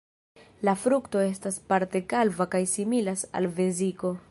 La frukto estas parte kalva kaj similas al veziko.